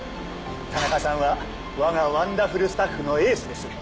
田中さんは我がワンダフルスタッフのエースです。